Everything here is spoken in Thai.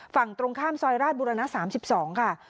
ฝั่งตรงข้ามซอยราชบุรณะสามสิบสองค่ะ